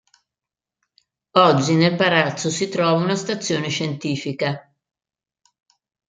Oggi, nel palazzo si trova una stazione scientifica.